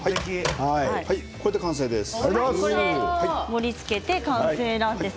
これで完成です。